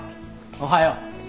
おはよう。